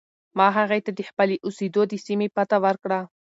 ما هغې ته د خپلې اوسېدو د سیمې پته ورکړه.